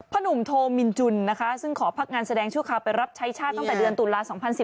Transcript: หนุ่มโทมินจุนนะคะซึ่งขอพักงานแสดงชั่วคราวไปรับใช้ชาติตั้งแต่เดือนตุลา๒๐๑๙